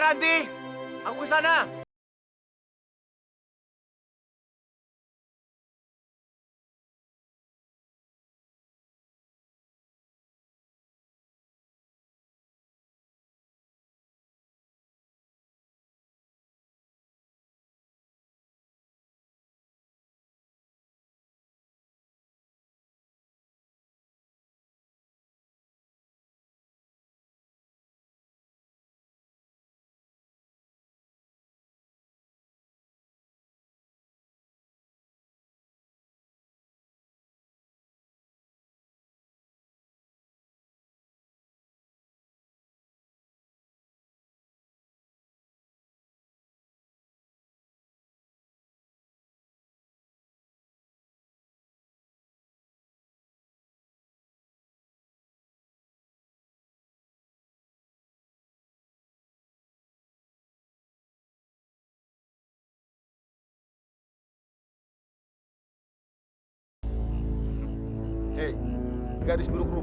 hei jangan pergi dulu